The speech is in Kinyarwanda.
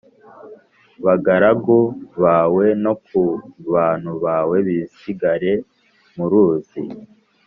Bagaragu bawe no ku bantu bawe bisigare mu ruzi